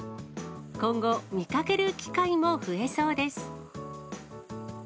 今後、見かける機会も増えそうです。